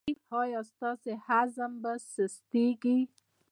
ایا ستاسو عزم به سستیږي؟